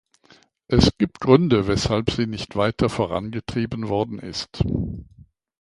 Es gibt Gründe, weshalb sie nicht weiter vorangetrieben worden ist.